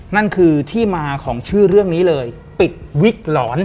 นั่นคือที่มาของชื่อเรื่องนี้เลยปิดวิกหลอน